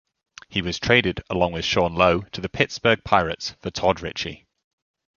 He was traded along with Sean Lowe to the Pittsburgh Pirates for Todd Ritchie.